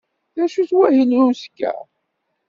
D acu wahil n uzekka?